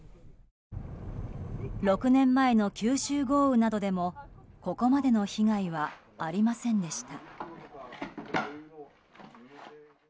６年前の九州豪雨などでもここまでの被害はありませんでした。